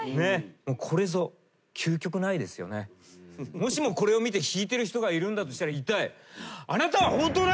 もしもこれを見て引いてる人がいるんだとしたら言いたい。